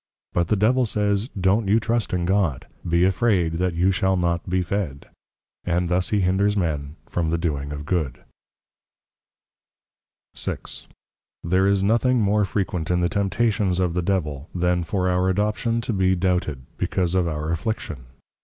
_ But the Devil says, don't you trust in God; be afraid that you shall not be fed; and thus he hinders men from the doing of Good. VI. There is nothing more Frequent in the Temptations of the Devil, then for our Adoption to be doubted, because of our Affliction.